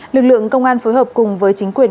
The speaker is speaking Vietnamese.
lực lượng công an phối hợp cùng với chính quyền